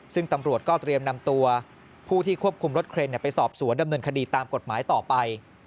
ซึ่งตำรวจก็เตรียมนำตัวผู้ที่ควบคุมรถเครนไปสอบสวนดำเนินคดีตามกฎหมายต่อไป